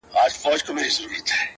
د جینکیو ارمان څۀ ته وایي،